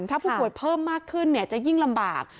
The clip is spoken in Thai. ถ้าผู้ป่วยเพิ่มมากขึ้นจะยิ่งลำบาก